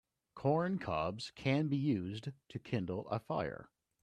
Corn cobs can be used to kindle a fire.